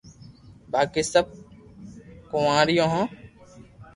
باقي سب ڪوواريو ھو